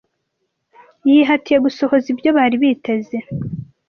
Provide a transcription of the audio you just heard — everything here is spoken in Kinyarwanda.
Yihatiye gusohoza ibyo bari biteze.